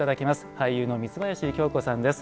俳優の三林京子さんです。